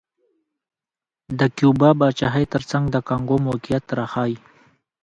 د کیوبا پاچاهۍ ترڅنګ د کانګو موقعیت راښيي.